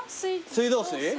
水道水？